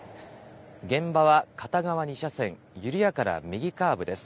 現場は片側２車線、緩やかな右カーブです。